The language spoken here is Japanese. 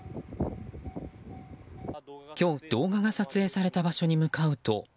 今日、動画が撮影された場所に向かうと。